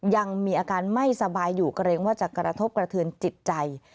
ยังมีอาการไม่สบายอยู่เกรงว่าจะกระทบกระเทือนจิตใจ